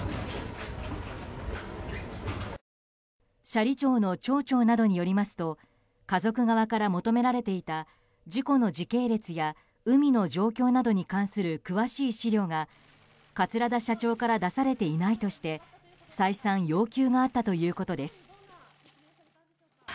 斜里町の町長などによりますと家族側から求められていた事故の時系列や海の状況などに関する詳しい資料が桂田社長から出されていないとして再三、要求があったということです。